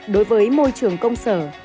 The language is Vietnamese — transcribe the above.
đối với môi trường công sở